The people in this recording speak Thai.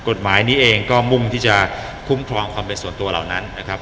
กฎหมายนี้เองก็มุ่งที่จะคุ้มครองความเป็นส่วนตัวเหล่านั้นนะครับ